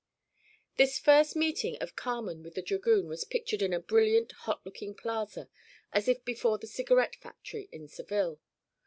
This first meeting of Carmen with the dragoon was pictured in a brilliant hot looking plaza as if before the cigarette factory in Seville.